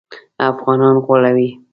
افغانان غولوي.